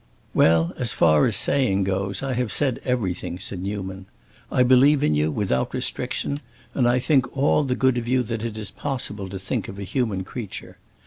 "Well, as far as saying goes, I have said everything," said Newman. "I believe in you, without restriction, and I think all the good of you that it is possible to think of a human creature.